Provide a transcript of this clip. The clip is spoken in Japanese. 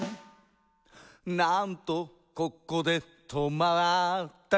「なんとここで止まったか」